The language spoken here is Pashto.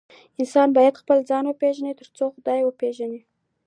انسان بايد خپل ځان وپيژني تر څو خداي وپيژني